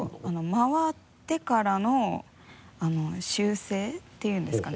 回ってからの修正っていうんですかね？